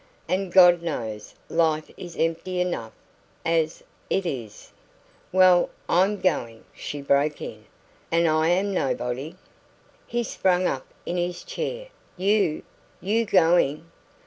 And God knows life is empty enough as it is " "Well, I'm going," she broke in. "And am I nobody?" He sprang up in his chair. "You YOU going?"